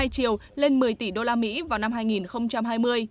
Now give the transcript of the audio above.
hai triệu lên một mươi tỷ usd vào năm hai nghìn hai mươi